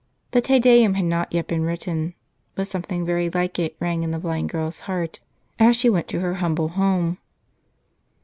The Te Deum had not yet been written ; but something very like it rang in the blind girl's heart, as she went to her humble home.